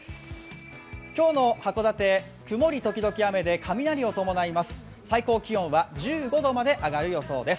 今日の函館、曇り時々雨で雷を伴います。